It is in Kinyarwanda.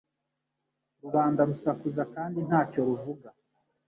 Rubanda rusakuza kandi ntacyo ruvuga